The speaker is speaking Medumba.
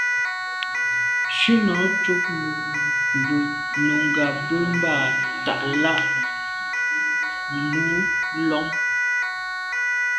Shúnɔ̀ cúp bú nùngà mbə̄ mbà tát lā nù lɔ̀ŋ.